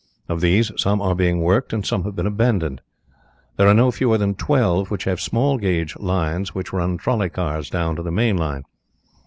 Of these, some are being worked and some have been abandoned. There are no fewer than twelve which have small gauge lines which run trolly cars down to the main line.